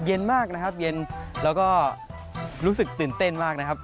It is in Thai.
เย็นมากนะครับเย็นแล้วก็รู้สึกตื่นเต้นมากนะครับ